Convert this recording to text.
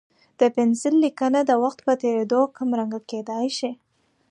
د پنسل لیکنه د وخت په تېرېدو کمرنګه کېدای شي.